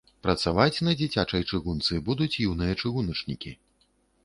Працаваць на дзіцячай чыгунцы будуць юныя чыгуначнікі.